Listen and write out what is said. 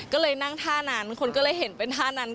ก็เลยนั่งท่านั้นคนก็เลยเห็นเป็นท่านั้น